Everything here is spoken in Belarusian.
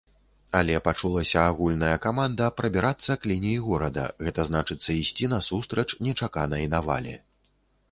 Але пачулася агульная каманда прабірацца к лініі горада, гэта значыцца ісці насустрач нечаканай навале.